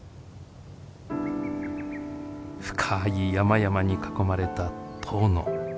深い山々に囲まれた遠野。